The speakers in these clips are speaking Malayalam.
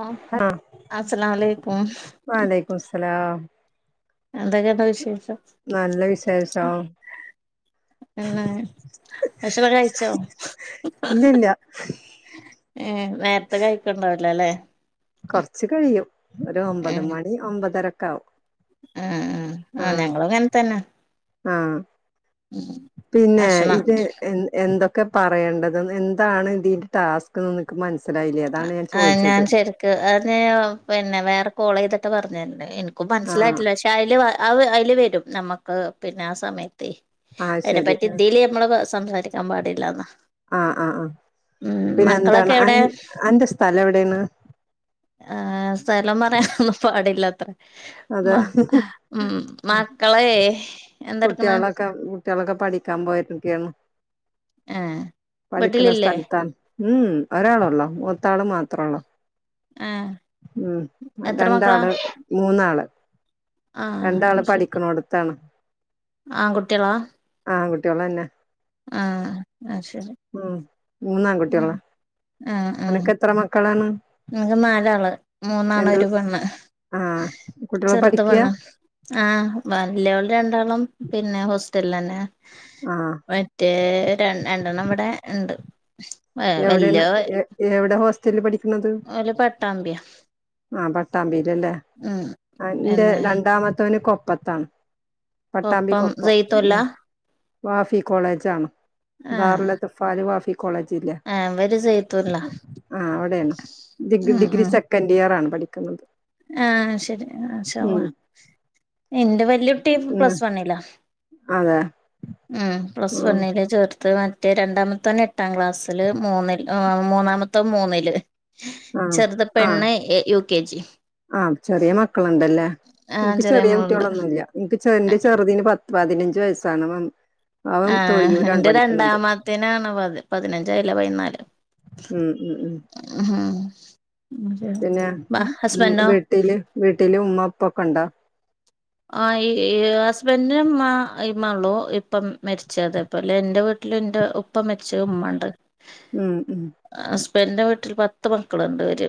ആ ആഹ അസ്സലാമലൈക്കും വലയ്ക്കുമുസ്സലാം എന്തൊക്കെയണ്ട് വിശേഷം നല്ല വിശേഷം എന്നെ ഭക്ഷണം കഴിച്ചോ ഉം ഇല്ലില്ല നേരത്തെ കഴിക്കണ്ടാവലോല്ലേ കൊർച്ച് കഴിയും ഒരു ഒമ്പത് മണി ഒമ്പതരക്കാവും ആഹ് ആഹ് ആഹ ഞങ്ങളും ങ്ങനെത്തന്നെ ആഹ പിന്നെ ഭക്ഷണം ഇത് ത് എന്ത ഒക്കെ പറയേണ്ടത് എന്താണ് തിന്റെ ടാസ്ക്ന്ന് നിക്ക് മനസ്ിലത് അ ആഹ ഞാൻ ശരിയ്ക്ക് അ പി പിന്നെ പിന്നെ വേറെ കോൾ ചെയ്തിട്ട് പറഞ്ഞ തരേ എനിക്കക്ക് ആഹ് മനസ്സിലായിട്ടില്ല പക്ഷെ അതില് അ അ വരും നമ്മക്ക് പിന്നെ ആ സമയത്ത് ആഹ് അതിനെ ശരി പറ്റി ഇതിൽ നമ്മൾ സംസാരിക്ക ൻ പാടില്ലാന്നാ ആഹ ആഹ് ആഹ പിന്നെ മക്കളൊക്കെ എന്താണ് എവിടെ അൻ അന്റെ സ്ഥലം എവിടെയാണ് ആ സ്ഥലം പറയാനൊന്നും പാടില്ല അതെ മക്കളെ എന്തെടുക്കണ് കുട്ടികളൊക്കെ കുട്ടികളൊക്കെ പഠിക്കാൻ പോയിട്ടരിക്കയാണ്. ആഹ വ്ട്ടിലില്ലേ സ്ഥലത്താണ് ഉം ഒരാളള്ളോ മൂത്താ ആള് മാത്രേ ഉള്ളോ ആഹ് ഉം എത്ര മക്കളാ രണ്ടാള് മൂന്നാള് രണ്ടാള് ആഹ് ശരി പഠിക്ക്ണോട്ത്താണ് അഹ്‌ കുട്ടികന്നെ ആഹ ആഹ ശരി ഉം മൂന്നാൺകുട്ടികളാ ആഹ അനക്ക് ആഹ് എത്ര മക്കളാണ് നിക്ക് നാലാള് മൂന്നാാണ് എന്ത് ഒരു പെണ്. ആഹ് കുട്ടികള് ചെറുത് പഠിക്കയാ പെണ് ആഹ വല്യോള് രണ്ടാളും പിന്നെ ഹോസ്റ്റലിൽ തന്നെ ആഹ് മറ്റേ ര രണ്ടെണ്ണം ഇവിടെ ണ്ട് എവിടെയാണ് എ എവിടെ ഹോസ്റ്റലിൽ പഠിക്കണത് ഒല് പട്ടാമ്പ്യ ട്ടാമ്പില്ല്ലേ എന്റെ പിന്നെ രണ്ടാമത്തവന് കൊപ്പത്താണ് കൊപ്പം പട്ടാമ്പികൊപ്പം ജയ്ത്തുല്ല മ് വാഫി കോളേജ് ആണ് ആഹ് ധാർലത്ത് ഫാല് വാഫി കോളേജ് ഇല്ലേ ആഹ് ഇവര് ജയ്ത്തുല്ല ആ അവിടെയാണ് ഡിഗി ഡിഗ്രി സെക്കൻഡ് ഇയർ ആണ് പഠിക്കുന്നത്. ആഹ ശരി ആ ഉം ശവാ എന്റെ വെല്ട്ടി ഉം പ്ലസ് വണ്ല്ലാ അതെ ഉം പ്ലസ് ഉം വണ്ണിലേ ചേർത്ത് മറ്റേ രണ്ടാമത്തോ എട്ടാം ക്ലാസ്സില് മൂന്നില് മൂന്നാമത്തോ മൂന്നില് ആഹ് ചെറുത് ആഹ് പെണ്ണ്എ യു കെ ജി ആഹ് ചെറിയ മക്കളുണ്ടല്ലേ ആഹ് നിനിക്ക് ചെറിയ മോളുണ്ട് കുട്ടികളൊന്നുംല്ല നിനിക്ക്െ എന്റെ ചെറുതന് പ പതിനഞ്ച് വയസ്സാണ് അവൻ ആ തൊഴിയൂരാണ് എന്റെ പഠിക്കണത് രണ്ടാമത്തിനാണ് പത് പതിനഞ്ച അല്ല പതിനാല് ഉം ഉം ഉം ഉം പിന്നെ ഹസ്ബൻഡോ വീട്ടില് വീട്ടില് ഉമ്മപ്പൊക്കെ ഉണ്ടോ ആ ഈ ഹസ്ബൻഡിനും ഇ മളോ ഇപ്പം മരിച്ചതെപ്പല്ല എന്റെ വീട്ട ലിന്റെ ഉപ്പ മെച്ച് ഉമ്മണ്ട് ഉം ഉം ഇ എന്റെ വീട്ടിൽ പത്ത് മക്കളുണ്ട് വര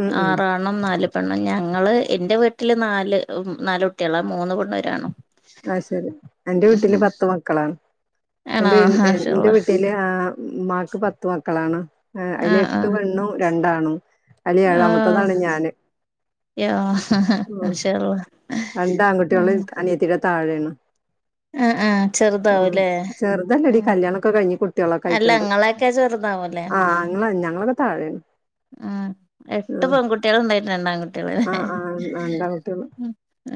ഉം ഉം ആറാണുനാല്പെണ്ണ് ഞ ഞങ്ങള് എന്റെ വീട്ടില് നാല് നാലല് കുട്ടികളാ മൂന്ന് പെണ്ണുംഒരാണ് ആ ശരി എന്റെ വീട്ടില് പത്ത് മക്കളാണ് ആണോ എന്റെ മാഷാ എന്റെ അല്ലാഹ് വീട്ടില് ആ ഉ്മാക്ക് പത്ത് മക്കളാണ് അതില ആഹ് എട്ടു ആഹ് പെണ്ണും രണ്ടാണ്ണും അലി ആഹ് ഏഴാമത്തതാണ് ഞാാന് യാ ഉ മാഷാ അല്ലാഹ് രണ്ട് ആൺകുട്ടികൾ അനിയത്തി താഴേണ് ആഹ് ആഹ് ഉം ചെറുതാവുംല്ലേ ആഹ് ചെറുതല്ലടികല്യാണൊക്കെ കഴിഞ്ഞ് കുട്ടികളൊക്കെ അല്ല ആയിട്ടുണ്ട്. ഇങ്ങളൊക്കെ ചെറുതാവുംല്ലേ ആഹ നിങ്ങ ഞങ്ങളൊക്കെ താഴെയാണ് ഉ എട്ട് പെൺകുട്ടികളും ഉണ്ടായിരുന്നു രണ്ടാംകുട്ടി ആഹ ആഹ ഉണ്ടാട്ട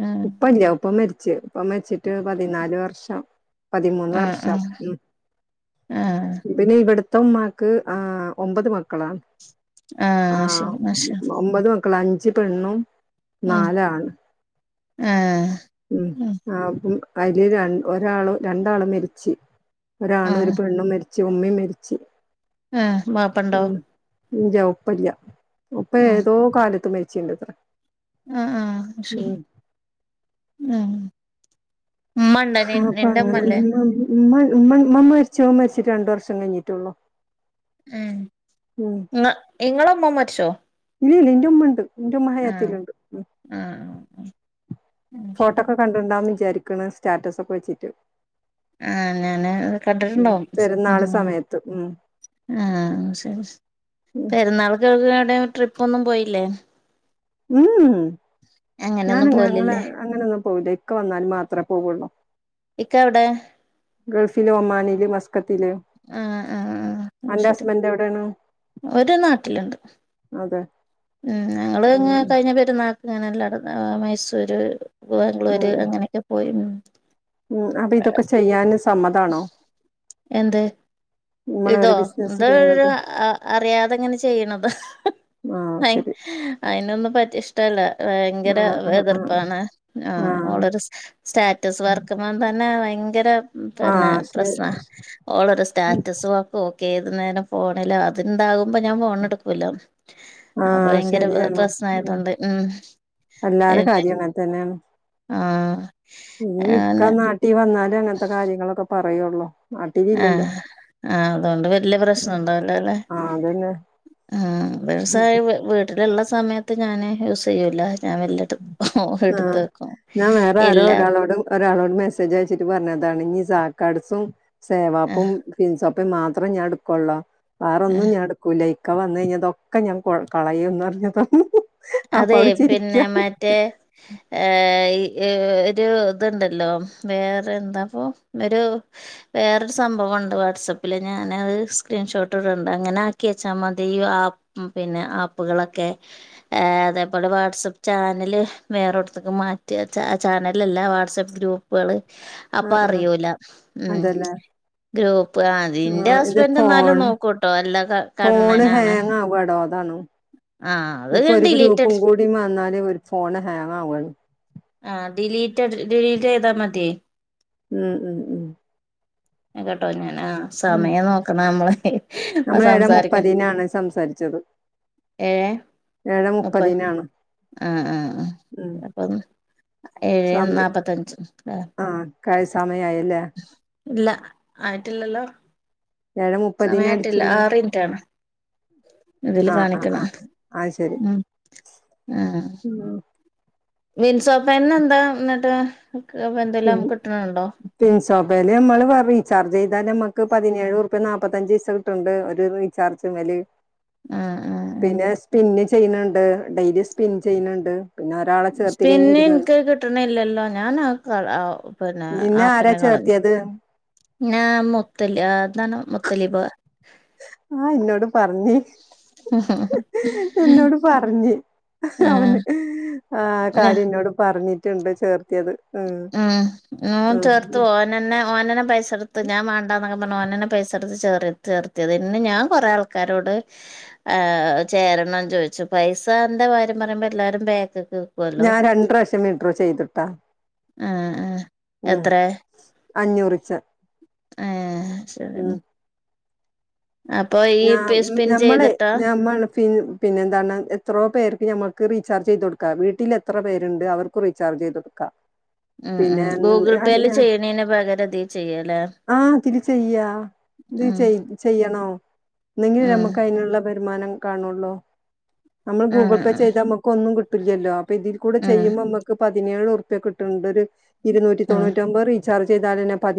ആഹ് ഉപ്പല്ല ഉപ്പ മരിച്ച് ഇപ്പം മാരിച്ചിട്ട് പതിനാല് വർഷം പതിമൂന്ന് ആഹ് വർഷം ആഹ് ഉ ആഹ് പിന്നെ ഇവിടുത്തെ ഉമ്മാക്ക് ആ ഒമ്പത് മക്കളാണ് ആഹ ശ ആഹ് അശ ഒമ്പത് മക്കള് അഞ്ച് പെണ്ണും നാല് ആണും അല്ലാഹ് ഉം അതില് ര ഒരാള് രണ്ടാള് മരിച്ച് ഒരാണ് ഒരു പെണ്ണും മരിച്ച് മരിച് ഉമ്മീം മരിച്ചു ആ വാപ്പണ്ടോ ഇല്ല ഉപ്പല്ല ഉപ്പ ഏതോ കാലത്ത് മരിച്ചിട്ട്ത്രെ ആഹ ആഹ ശരി ആഹ ആപ്പ നിന്റെമ്മല്ലേ [unintelligible] ഉമ്മ ഉ മമ്മ മരിച്ചു അമ്മ മരിച്ചിട്ട രണ്ട വർഷം കഴിഞ്ഞിട്ടുള്ളു ഉം ഇങ്ങളമ്മ മരിച്ചോ ഇല്ല ഇല്ല ഇൻറ ഉമ്മ ഉണ്ട് ഇന്റെ ഉമ്മ ആഹ് മഹയാത്തിലുണ്ട് ആഹ് ആഹ് ഫോട്ടോ ശരി ഒക്കെ കണ്ടിട്ട് ഉണ്ടാകും വിചാരിക്ണ് സ്റ്റാറ്റസ് ഒക്കെ വെച്ചിട്ട് ആ ഞാന് ഉം കണ്ടിട്ടുണ്ടാവും ഉ പെരുന്നാള് സമയത്ത് ഉം ആഹ ശരി ഉം പെരുന്നാൾ കേൾക്ക എവിടെ ട്രിപ് ഒന്നും പോയില്ലേ ഉം അങ്ങനെയൊന്നും ഞാനങ്ങ അങ്ങളെ പോവലില്ലേ അങ്ങനന്നും പോവൂല ഇക്ക വന്നാല് മാത്രമേ പോവോള്ളൂ ഇക്ക എവിടെ ഗൾഫില് ഒമാനില് മസ്കറ്റില് ആഹ് അന്റെ ഹസ്ബൻറ് എവിടെയാണ് ഒര് നാട്ടിലുണ്ട് അതെ ഉം ഞങ്ങള് ഇ ഉം കഴിഞ്ഞ പെരുന്നാക്ക് ങ്ങനെല്ലാടും മൈസൂര് ഉം ബാംഗ്ലൂര് അങ്ങനെയൊക്കെ പോയി ഉം അപ്പൊ ഇതൊക്കെ ചെയ്യാന് സമ്മതാണോ എന്ത് നമ്മള് ഇതോ ഒരു ബിസിനസ് ഇത് ഇങ്ങനെ ചെയ്യണത് അറിയാതെങ്ങനെ ചെയ്യണതാ ആഹ് അ ശരി അതിനൊന്നും പറ്റി ഇഷ്ടല്ല ഭയങ്കര ആഹ് ആഹ് ആഹ് എതിർപ്പാണ് ആ ആഹ് അവമ്മളൊരു സ്റ്റാറ്റസ് വർക്കുമ്പം തന്നെ ഭയങ്കര പിന്നെ ആഹ് ശരി പ്രശ്നാ ഓളരു സ്റ്റാറ്റസും വർക്കും ഒക്കെ ഏത് നേരം ഫോണിലാ അതിണ്ടാകുമ്പോ ഞാൻ ഫോണ് എടുക്കുലാ ആഹ ശരിയാണ് ഉ ഉം അല്ലാരും പിന്നെ കാര്യ അങ്ങനെ തന്നെയാണ് ആഹ് ഇ മിക്ക അങ്ങനെ നാട്ടീ അ അങ്ങനത്തെ കാര്യങ്ങളൊക്കെ പറയുള്ളൂ ആഹ നാട്ടിലില്ലല്ലോ ആഹ അതുകൊണ്ട് വല്യ പ്രശ്നം ഉം ഉണ്ടാവുലലെ അല്ലെ ആഹ് അതന്നെ ഉ വസായ വീട്ടിലുള്ള സമയത്ത് ഞാന് യൂസ് ചെയ്യൂല ഞാൻ വല്ല എടു ആഹ എടുത്ത് വെക്കും ഞാൻ വേറെ ആരോ ഇല്ല ഒരാളോടും ഒരാളോടും മെസ്സേജ് അയച്ചിട്ട് പറഞ്ഞ തണിഞ്ഞ് സാക്കാഡസും ആ സേവാപ്പും ഫൻസോപ്പയും മാത്രേ ഞാൻ എടുക്കുള്ളോ വേറൊന്നും ഞാൻടുക്കൂലക്ക വന്ന് കഴിഞ്ഞതൊക്കെ ഞാൻ കളയന്ന് പറഞ്ഞ തന്നു അപ്പ അതെ അവള് ചിരിക്കാ പിന്നെ മറ്റേ ഹ ഒരു ഇതുണ്ടല്ലോ വേറെ എന്താപ്പ ഒരു വേറൊരു സംഭവം ണ്ട് വാട്സാപ്പിൽ ഞൻത് സ്ക്രീൻഷോട്ട് ഇണ്ട് അങ്ങനെ ആക്കി വെച്ചാൽ മതി ഈ ആപ്പ് പിന്നെ ആപ്പുകളൊക്കെ അതേപോലെ വാട്സആപ്പ് ചാനല് വേറെടത്തക്ക് മാറ്റിയ ചാനലല്ല വാട്സ്ആപ്പ് ഗ്രൂപ്പ് ഗ്രപ്പുകള് അപ്പ ആഹ് ആഹ് അറിയൂല ഉ അതല്ലേ ഗ്രൂപ്പ് അതിറെ ആഹ് ഇത് ഹസ്ബൻഡ എന്നാലും ഫോൺ നോക്കൂട്ടോ എല്ലാ ക ഫോണ് കണ്ണനാണ് ഹാങ് ആവാടോ അതാണ് ആഹ അത്കണ്ട് ഡിലീറ്റ് ഫോൺ ഹാങ്ങ് ആവാണ് ആ ഡിലീറ്റ് ഡിലീറ്റ് ചെയ്താ മതി ഉം ഉം ഉ കേട്ടോ ഞാന ആ സമയം നോക്കണ നമ്മളെ നമ്മൾ എവിടെ മുപ്പതിനനാണ് സംസാരിച്ചത് ഏഴ് ഏഴേ മുപ്പ് മുപ്പതിനാണ് ആഹ ആ ആ ഉം അപ്പൊന്ന് ഏഴ് സം നാല്പത്തഞ്ച് ആ കഴി സമയായല്ലേ ഇല്ല ആയിട്ടില്ലല്ലോ ഏഴേ മുപ്പതിന് സമയറ്റില്ല അടിച്ച്ണ് ആറിന്റ്റാണ് ഇതില് ആ ആ കാണിക്കണ ആ അത് ശരി ഉ ആഹ ഉം മൻസോപ്പന്നെ എന്താ എന്നിട്ട് പി എന്തെല്ലാം കിട്ടണുണ്ടോ പിൻസോപല് നമ്മള് റീചാർജ് ചെയ്താല നമ്മക്ക് ക്ക് പതിനേഴുറു നാല്പ്പത്തഞ്ചച് ദസം കിട്ടുണ്ട് ഒരു റീചാർജും വല് ആഹ് ആഹ് ആഹ് പിന്നെ സ്പിന്ന ചെയ്യണണ്ട് ഡെലി സ്പിൻ ചെയ്യണണ്ട് പിന്നെ എനിക്ക് കിട്ടണില്ലല്ലോ ഞാൻ ആ കള ആ പിന്നെ നിന്നെ ആരാ ആപ്പന്നെ കളഞ്ഞു ചേർത്തിയത് ഞാ മുത്തല എന്താണ് മുത്തലിബ് ആഹ ഇന്നോട് പറഞ്ഞി എന്നോട് പറഞ്ഞി അവന് ആഹ് ആ കാര്യം എന്നോട് പറഞ്ഞിട്ടുണ്ട് ചേർത്തിയത് ഉം ഉ ഉം ചേർത്ത്ു ഓനന്നെ ഓനന്നെ പൈസ എടുത്ത്ു ഞാൻ വേണ്ടന്നൊ നോൻെ പൈസെടുത്ത് ച ചേർത്തിയത് പിന്നെ ഞാൻ കൊറെേ ആൾക്കാരോട് ച ക ചോദിച്ചു പൈസ എന്തന്റെ കാര്യം പറയുമ്പോ എല്ലാരും ബേക്ക് ഞാൻ രണ്ട ലക്ഷം മീഡ്രോ ചെയ്തിട്ടാ ആഹ് ആഹ് ഉം അഞ്ഞൂറിച്ച ആഹ് ഉം ശരിയെന്നാ ഞാ സ്പിൻ ഞമ്മളെ ചെയ്തിട്ടാ ഞമ്മൾ പിന്നെ എന്താണ് എത്രോ പേർക്ക് ഞമ്മ - റീചാർജ് ചെയ്തു കൊടുക്കാം വീട്ടല് എത്ര പേരുണ്ട് അവർക്കും റീചാർജ് ചെയ്ത് കൊടുക്കാം ആഹ് ആഹ് ഗൂഗിൾ പേയിൽ ചെയ്യാണെനു പകരം ഇതി ചെയ്യാം അല്ലെ ആ ഇതില് ചെയ്യാം ഇത് ചെയ ചെയ്യണോ ന്തെങ്കിലു ഉം നമുക്ക് അയിനുള്ള വരുമാനം കാണുള്ളൂ നമ്മൾ ഉം ഗൂഗിൾ പേ ചെയ്താ മക്ക് ഒന്നും കിട്ടില്ലല്ലോ. അപ്പ ഇതികൂടെ ഉം ചെയ്യുമ്പോ അമ്മക്ക് പ ഇഞ്യാണ് ഉർപ്യ കിട്ട്ണ്ടൊരു ഇരുന്നൂറ്റി തൊണൂറ്റി ഒമ്പത് റീചാർജെയ്താലെന്നെ പ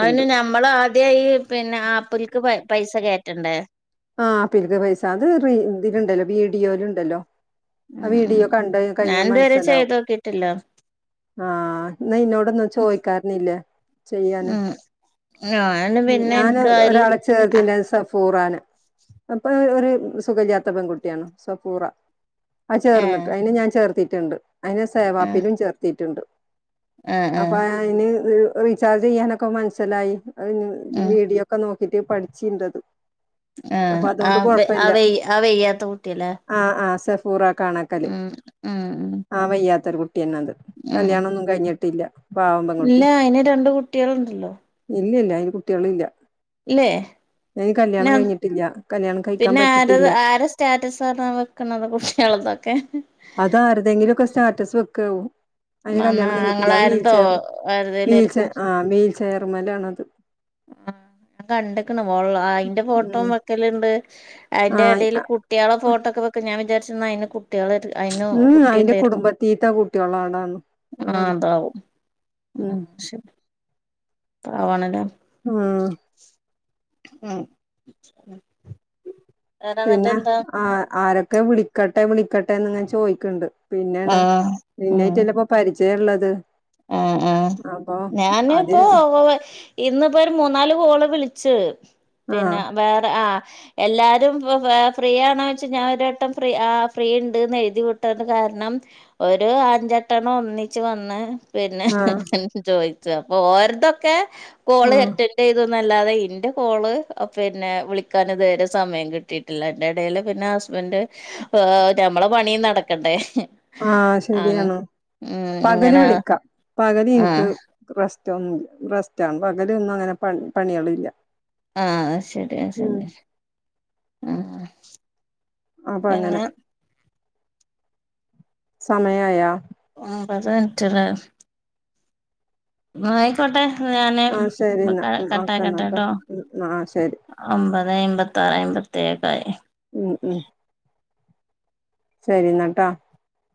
അയിന് ഞമ്മളാദ്യ ഈ പിന്നെ ആപ്പിൽക്ക് പ പൈസ കേറ്റണ്ടേ? ആഹ് പ്പിൽക്ക് പൈസ അത് റി ഇതിലുണ്ടല്ലോ വീഡിയോല്ണ്ടല്ലോ അ ഉം ഉം വീഡിയോ ഉം കണ്ട് ഞാൻ കഴിഞ്ഞ ഇതുവരെ മനസിലാവു ചെയ്തോക്കിട്ടില്ല ആഹ് ന്നാ ഇന്നോടൊന്നും ചോയ്ക്കാര്ന്നില്ലേ? ചെയ്യാനും ഉം ഞാന് പിന്നെ ഞാൻ ഒ എനിക്ക് ര് അതില് ഒരാളെ ആഹ് ചേർത്തിന്റെ സഫൂറാനെ അപ്പൊ ഒരു സുഖല്ലാത്ത പെൺകുട്ടിയണോ സഫുറ അഹ് ഏഹ് ചേർന്നിട്ട് അയിന് ഞാൻ ചേർത്തിട്ടുണ്ട്. അയിനെ ആഹ് സേവാപ്പിലും ചേർത്തിട്ടുണ്ട്. ആഹ് അപ്പൊ ആഹ് അയ്ന് റ് റീ റീചാർജ് ചെയ്യാനൊക്കെ മനസ്സിലായി. അഹ് ഞ് ഉം വീടിയോക്കെ നോക്കിട്ട് പഠിച്ചിണ്ടത്. ആഹ് അപ്പൊ അതോണ്ട് ആഹ് കൊഴപ്പല്ല ആഹ് വെയ് ആഹ് വെയ്യാത്ത കുട്ടിയല്ലേ ആഹ് ആഹ് പൂറ കാണാക്കല് ഉം ഉം ഉം ആഹ് വയ്യാത്തൊരു കുട് ട്ടിന്നത്. ഉം കല്യാണന്നും കഴിഞ്ഞിട്ടില്ല. പാവം പെൺ കുട്ടി ഇല്ല അയിന് രണ്ട് കുട്ടികളുണ്ടല്ലോ ഇല്ലല്ല അയിന് കുട്ട്യേള്ല്ല. ഇല്ലേ നം കഴിഞ്ഞിട്ടില്ല കല്യാണം കഴിക്കാൻ പിന്നെ ആര് പറ്റിട്ടില്ല ആരെ സ്റ്റാറ്റസാണ് വെക്കുന്നത്. കുട്ട്യേൾതൊക്കെ ന്തെങ്കിലൊക്കെ സ്റ്റാറ്റസ് വെക്കാഉ മ അതിന് കല്യാണം കഴഞ്ഞിട്ട്ല്യ. അഹ് വീൽ ആങ്ങളാരതോ ചേർ ആരതേലും വീൽ ഒരു ചെ ആഹ് വീൽ ചേറുംമ്മലാണ് അത്. ആ ഞാൻ കണ്ടക് ണ് മോൾളായിന്റെ ഫോട്ടോ ഉം വെക്കല്ണ്ട്. അയിന്റെ ടേല് ആഹ് കുട്ട്യേളെ ഫോട്ടോക്കെ വെക്കും. ഞാൻ വിചാരിച് ന്ന അയ്ന് ട്ട്യേളേയ്റ്റ് അയിനും ഉം അയിന്റെ കുട്ടിണ്ടായിരിക്കും. കുടുംബത്തീത്തെ കുട്ടികളാണാണ് ആഹ് അതാണ് അതാവും ഉം ആഹ് ശരി പാവാണല്ലോ ഉം അ പിന്നെ ആ ആരൊക്കെ വിളിക്കട്ടെ വിളിക്കട്ടെന്ന്ങ്ങനെ ചോയ്ക്ണ്ട് പിന്നെണ് ആഹ് നിന്നായിറ്റല്ലെ പ്പോ പരിചയള്ളത് ആ ആ അപ്പൊ അത് ഞാന്പ്പോ ഇന്നിപ്പോ ഒരു മൂന്നാല് കോള് വിള്ച്ച് പിന്നെ ആഹ് വേറെ ആ എല്ലാരും പ്പം ഫ്രീ ആണോ ച്ചാ ഞാനൊരു വട്ടം ഫ്രീ ആ ഫ്രീ ണ്ട്ന്ന് എഴുതി വിട്ടത് കാ ര്ണം ഒരു അഞ്ചെട്ടണം ഒന്നിച്ച് വന്ന് പിന്നെ ആഹ് ചോയ്ച്ചു അപ്പൊ ഓരതൊക്കെ കോള് ആഹ് അറ്റന്റെയ്തു തു അല്ലാതെ ഇന്റെ കോള് പിന്നെ വിളിക്കാൻ ഇതുവരെ സമയം കിട്ടിട്ടില്ല അയ്ന്റെ എടേല് പിന്നെ ഹസ് ബന്റ് ഏ ഞമ്മളെ പണീം നടക്കണ്ടേ ആ ശെരിയാണ് ഉം പകല് അങ്ങനെ വിളിക്കാ പകല് ആ ൻക്ക് റെസ് റ്റൊ റെസ്റ്റാണ് പകലൊന്നും അങ്ങനെ പ പണിയാള്ല്ല ആ അത് ശെരി [unintelligible] ആ അപ്പൊ അങ്ങനെ പിന്നെ സമയായോ [unintelligible] ആയിക്കോട്ടെ ഞാന് ആഹ് ശരിന്നാ ഉം കട്ടാക്കട്ടേ ഓക്കെന്നാട്ടോ ട്ടോ ഉം ആഹ് ശരി ഒമ്പതെ അയ്മ്പത്താറ് അയ്മ്പത്തേഴൊക്കായി ഉം ഉം ശെരി ന്നാട്ടോ